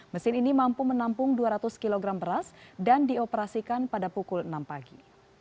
mesin ini mampu menampung dua ratus kg beras dan dioperasikan pada pukul enam pagi